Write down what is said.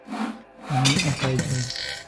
আমি একাই যাই।